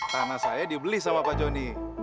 tanah saya dibeli sama pak joni